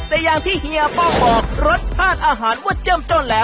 แต่อย่างที่เฮียป้องบอกรสชาติอาหารว่าเจ้มจนแล้ว